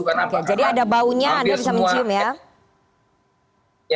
jadi ada baunya anda bisa mencium ya